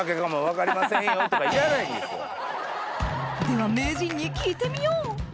では名人に聞いてみよう！